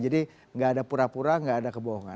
jadi nggak ada pura pura nggak ada kebohongan